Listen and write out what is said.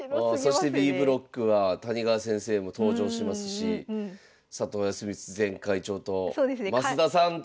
そしてＢブロックは谷川先生も登場しますし佐藤康光前会長と増田さんと！